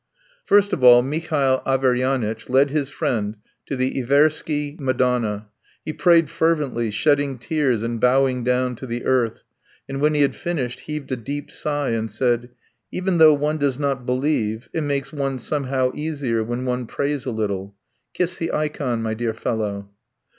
First of all Mihail Averyanitch led his friend to the Iversky Madonna. He prayed fervently, shedding tears and bowing down to the earth, and when he had finished, heaved a deep sigh and said: "Even though one does not believe it makes one somehow easier when one prays a little. Kiss the ikon, my dear fellow."